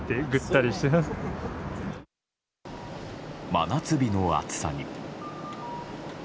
真夏日の暑さに。